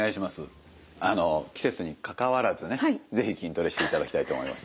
季節にかかわらずね是非筋トレしていただきたいと思います。